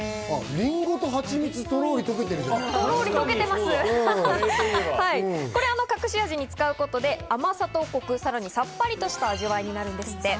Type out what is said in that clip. りんごとはちみつ、とろりこれを隠し味に使うことで、甘さとコク、さらにさっぱりとした味わいになるんですって。